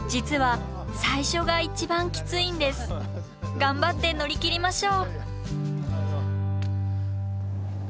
頑張って乗り切りましょう。